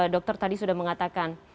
dokter tadi sudah mengatakan